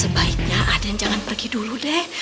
baiknya aden jangan pergi dulu deh